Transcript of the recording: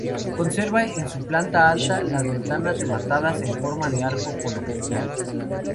Conserva en su planta alta las ventanas rematadas en forma de arco conopial.